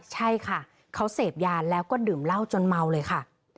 ใช่ค่ะเขาเสพยาแล้วก็ดื่มเหล้าจนเมาเลยค่ะ